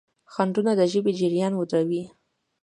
خنډونه د ژبې جریان ودروي.